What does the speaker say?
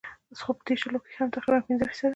خو پۀ دې شلو کښې هم تقريباً پنځه فيصده